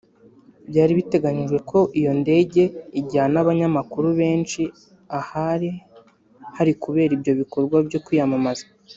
Byari biteganyijwe ko iyo ndege ijyana abanyamakuru benshi ahari hari kubera ibyo bikorwa byo kwiyamamaza